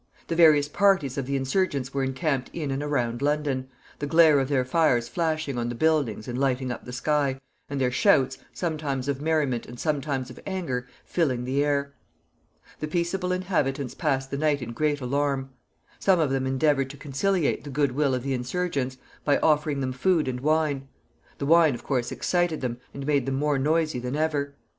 The various parties of the insurgents were encamped in and around London, the glare of their fires flashing on the buildings and lighting up the sky, and their shouts, sometimes of merriment and sometimes of anger, filling the air. The peaceable inhabitants passed the night in great alarm. Some of them endeavored to conciliate the good will of the insurgents by offering them food and wine. The wine, of course, excited them, and made them more noisy than ever.